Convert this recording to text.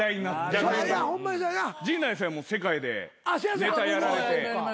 陣内さんも世界でネタやられて。